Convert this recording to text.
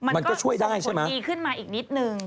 มันก็ช่วยดีขึ้นมาอีกนิดหนึ่ง